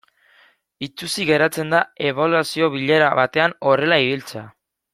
Itsusi geratzen da ebaluazio bilera batean horrela ibiltzea.